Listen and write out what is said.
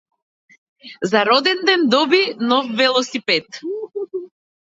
За роденден доби нов велосипед.